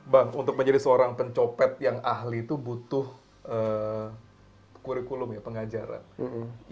bang untuk menjadi seorang pencopet yang ahli itu butuh kurikulum ya pengajaran